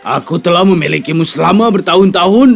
aku telah memilikimu selama bertahun tahun